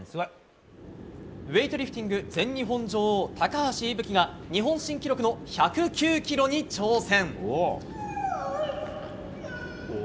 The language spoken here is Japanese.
ウエイトリフティング全日本女王、高橋いぶきが日本新記録の１０９ｋｇに挑戦。